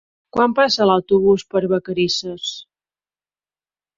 Quan passa l'autobús per Vacarisses?